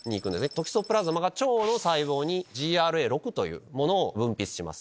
トキソプラズマが腸の細胞にＧＲＡ６を分泌します。